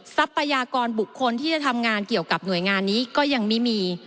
ทรัพยากรบุคคลที่จะทำงานเกี่ยวกับหน่วยงานนี้ก็ยังไม่มี